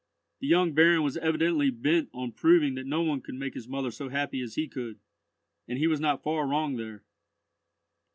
The young baron was evidently bent on proving that no one could make his mother so happy as he could; and he was not far wrong there.